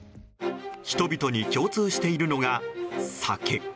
人々に共通しているのが、酒。